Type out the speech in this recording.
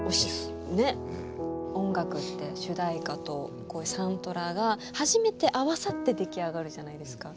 音楽って主題歌とこういうサントラが初めて合わさって出来上がるじゃないですか。